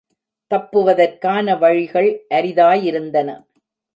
தப்புவதற்கான வழிகள் அரிதாயிருந்தன.